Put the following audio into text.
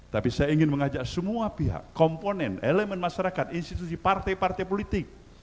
tapi saya ingin mengajak semua pihak komponen elemen masyarakat institusi partai partai politik